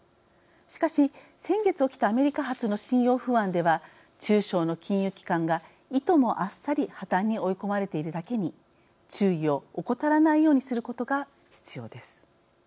しかし先月起きたアメリカ発の信用不安では中小の金融機関がいともあっさり破綻に追い込まれているだけに注意を怠らないようにすることが必要です。